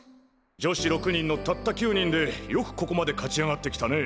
女子６人のたった９人でよくここまで勝ち上がってきたね。